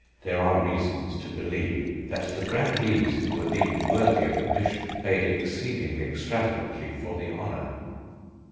There are reasons to believe that the grandees who were deemed worthy of admission paid exceedingly extravagantly for the honour."